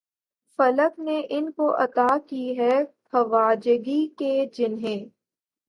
فلک نے ان کو عطا کی ہے خواجگی کہ جنھیں